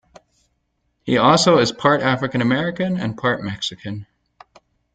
He also is part African American and part Mexican.